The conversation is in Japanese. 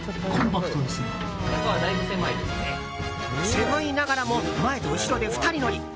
狭いながらも前と後ろで２人乗り。